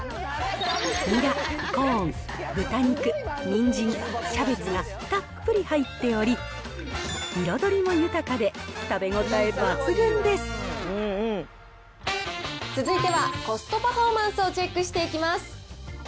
ニラ、コーン、豚肉、ニンジン、キャベツがたっぷり入っており、続いては、コストパフォーマンスをチェックしていきます。